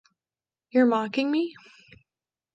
You’re mocking me?